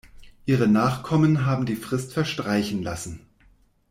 Ihre Nachkommen haben die Frist verstreichen lassen.